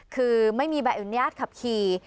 คือไม่มีใบอนุญาตขับขี่